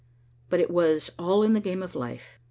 But it was all in the game of life.